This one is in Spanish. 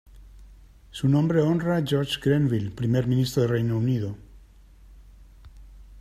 Su nombre honra George Grenville, primer ministro de Reino unido.